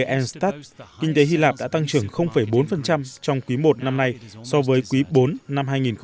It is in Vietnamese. enstat kinh tế hy lạp đã tăng trưởng bốn trong quý i năm nay so với quý iv